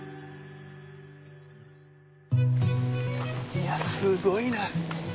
いやすごいな。